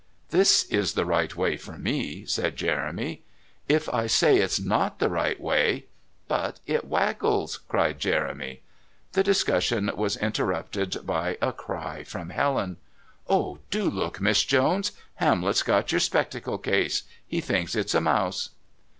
"This is the right way for me," said Jeremy. "If I say it's not the right way " "But it waggles," cried Jeremy. The discussion was interrupted by a cry from Helen. "Oh, do look, Miss Jones, Hamlet's got your spectacle case. He thinks it's a mouse."